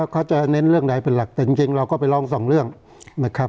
เขาจะเน้นเรื่องใดเป็นหลักแต่จริงเราก็ไปร้องสองเรื่องนะครับ